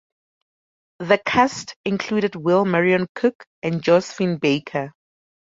The cast included Will Marion Cook and Josephine Baker.